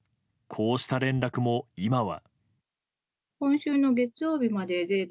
こうした連絡も、今は。